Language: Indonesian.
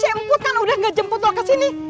si emput kan udah gak jemput lo ke sini